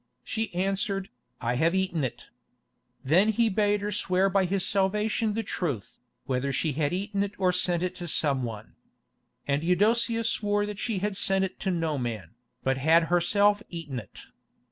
She answered, 'I have eaten it.' Then he bade her swear by his salvation the truth, whether she had eaten it or sent it to some one. And Eudocia swore that she had sent it to no man, but had herself eaten it.